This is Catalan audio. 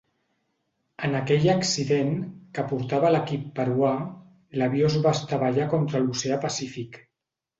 En aquell accident, que portava l'equip peruà, l'avió es va estavellar contra l'oceà Pacífic.